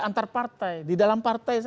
antar partai di dalam partai